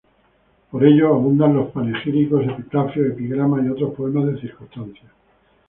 Por ello abundan los panegíricos, epitafios, epigramas y otros poemas de circunstancias.